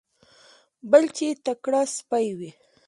بل چې تکړه سپی وي.